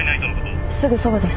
すぐそばです。